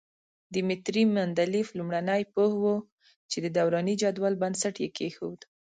دیمتري مندلیف لومړنی پوه وو چې د دوراني جدول بنسټ یې کېښود.